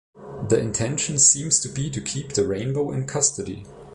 The intention seems to be to keep the rainbow in custody.